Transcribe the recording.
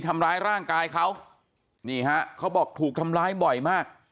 ทำร้ายร่างกายเขานี่ฮะเขาบอกถูกทำร้ายบ่อยมาก